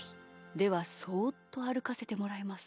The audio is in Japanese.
ではそっとあるかせてもらいます。